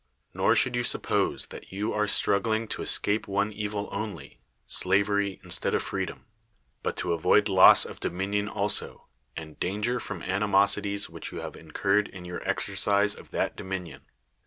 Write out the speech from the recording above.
Nor should you suppose that you are struggling to escape one evil only, slavery instead of freedom ; but to avoid loss of dominion also, and danger from the animosities which you have incurred in your exercise of that dominion.